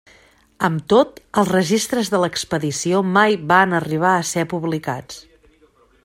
Amb tot, els registres de l'expedició mai van arribar a ser publicats.